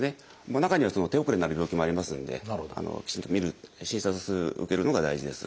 中には手遅れになる病気もありますのできちんと診る診察受けるのが大事です。